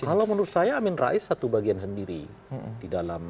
kalau menurut saya amin rais satu bagian sendiri